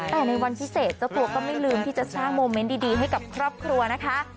แต่ในวันพิเศษเจ้าตัวก็ไม่ลืมที่จะสร้างโมเมนต์ดีให้กับครอบครัวนะคะ